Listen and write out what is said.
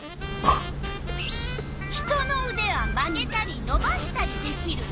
人のうでは曲げたりのばしたりできる。